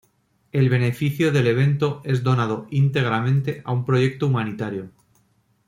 El beneficio del evento es donado íntegramente a un proyecto humanitario.